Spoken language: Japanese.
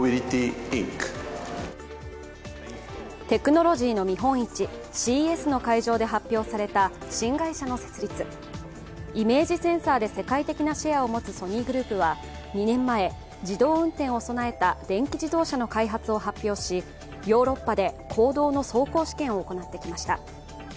テクノロジーの見本市ＣＥＳの会場で発表された新会社の設立、イメージセンサーで世界的なシェアを持つソニーグループは２年前、自動運転を備えた電気自動車の開発を発表し、ヨーロッパで公道の走行試験を行ってきました。